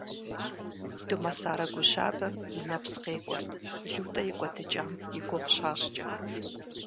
Думэсарэ гу щабэм и нэпс къекӀуэрт ЛутӀэ и кӀуэдыкӀам и гугъу щащӀкӀэ.